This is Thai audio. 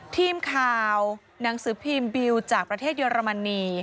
ทีมข่าวหนังสือพิมพ์บิลจากประเทศเยอรมนี